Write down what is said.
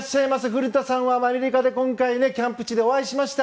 古田さんとは今回、キャンプ地でお会いしました。